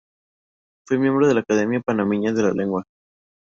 Fue miembro de la Academia Panameña de la Lengua.